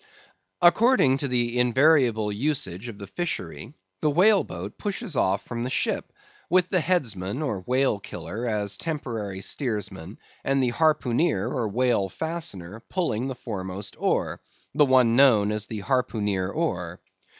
According to the invariable usage of the fishery, the whale boat pushes off from the ship, with the headsman or whale killer as temporary steersman, and the harpooneer or whale fastener pulling the foremost oar, the one known as the harpooneer oar.